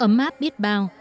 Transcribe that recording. ấm áp biết bao